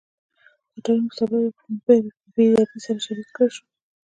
د تړون پۀ سبب پۀ بي دردۍ سره شهيد کړے شو ۔